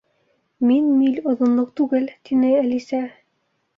—Мин миль оҙонлоҡ түгел, —тине Әлисә.